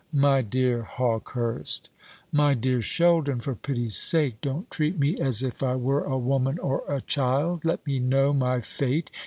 "My dear Hawkehurst " "My dear Sheldon, for pity's sake don't treat me as if I were a woman or a child. Let me know my fate.